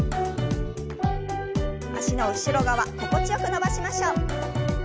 脚の後ろ側心地よく伸ばしましょう。